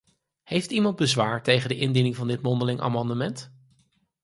Heeft iemand bezwaar tegen de indiening van dit mondeling amendement?